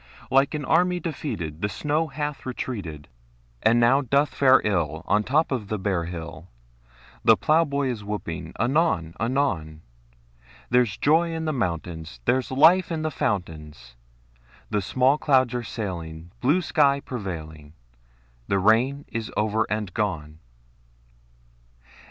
Like an army defeated The snow hath retreated, And now doth fare ill On the top of the bare hill; The plowboy is whooping anon anon: There's joy in the mountains; There's life in the fountains; Small clouds are sailing, Blue sky prevailing; The rain is over and gone!